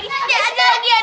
kumpul cewe ketur landscapes